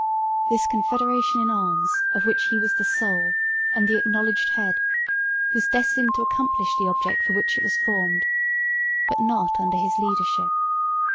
This confederation in arms, of which he was the soul and the acknowledged head, was destined to accomplish the object for which it was formed, but not under his leadership.